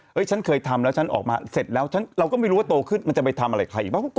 ฉันเคยทำแล้วฉันออกมาเสร็จแล้วเราก็ไม่รู้ว่าโตขึ้นมันจะไปทำอะไรใครอีกบ้าง